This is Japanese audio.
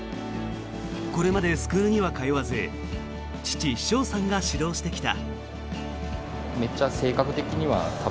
これまでスクールには通わず父・翔さんが指導してきた。